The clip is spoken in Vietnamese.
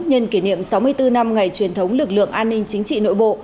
nhân kỷ niệm sáu mươi bốn năm ngày truyền thống lực lượng an ninh chính trị nội bộ